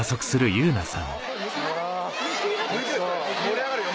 ・盛り上がるよ